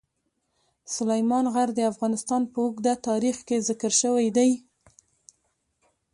سلیمان غر د افغانستان په اوږده تاریخ کې ذکر شوی دی.